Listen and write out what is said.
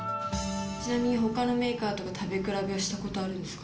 ちなみにほかのメーカーとか、食べ比べをしたことはあるんですか？